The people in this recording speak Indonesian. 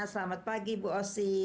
selamat pagi ibu osi